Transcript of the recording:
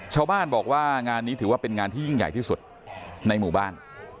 ชาวบ้านบอกว่างานนี้ถือว่าเป็นงานที่ยิ่งใหญ่ที่สุดในหมู่บ้าน